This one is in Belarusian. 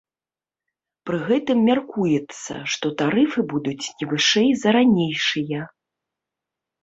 Пры гэтым мяркуецца, што тарыфы будуць не вышэй за ранейшыя.